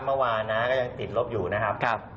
เมื่อวานนะก็ยังติดลบอยู่นะครับ